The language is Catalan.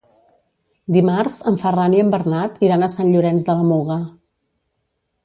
Dimarts en Ferran i en Bernat iran a Sant Llorenç de la Muga.